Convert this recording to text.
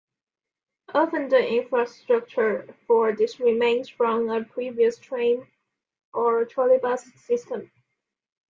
Often the infrastructure for this remains from a previous tram or trolleybus system.